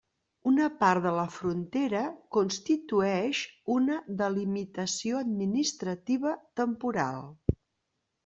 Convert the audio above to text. Una part de la frontera constitueix una delimitació administrativa temporal.